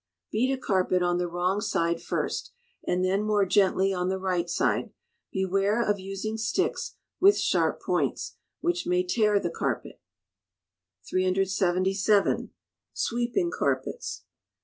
Beat a carpet on the wrong side first; and then more gently on the right side. Beware of using sticks with sharp points, which may tear the carpet. 377. Sweeping Carpets.